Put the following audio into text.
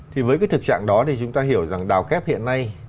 thì với cái thực trạng đó thì chúng ta hiểu rằng đào kép hiện nay